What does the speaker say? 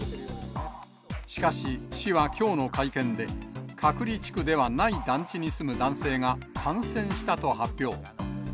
しかし、市はきょうの会見で、隔離地区ではない団地に住む男性が感染したと発表。